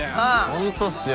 ホントっすよ